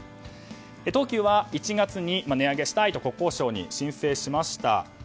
東急は１月に値上げしたいと国交省に申請しました。